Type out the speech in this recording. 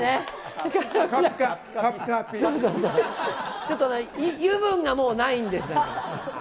ちょっとね、油分がもうないんですよ。